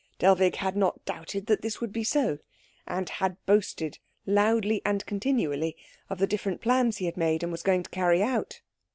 Dellwig had not doubted that this would be so, and had boasted loudly and continually of the different plans he had made and was going to carry out.